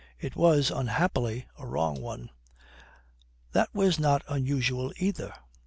It was, unhappily, a wrong one. That was not unusual either.